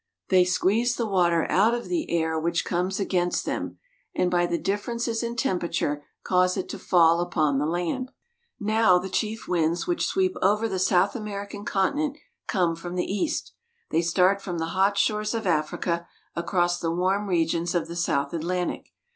They squeeze the water out of the air which comes against them, and by the differences in temperature cause it to fall upon the land. Now, the chief winds which sweep over the South American continent come from the east. They start from the hot shores of Africa across the warm regions of the South Atlantic.